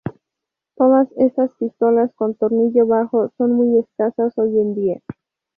Todas estas pistolas con tornillo bajo son muy escasas hoy en día.